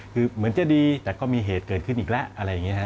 คือเหมือนจะดีแต่ก็มีเหตุเกิดขึ้นอีกแล้ว